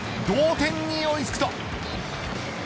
同点に追い付くと。